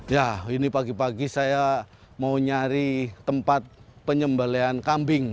ya ini pagi pagi saya mau nyari tempat penyembelian kambing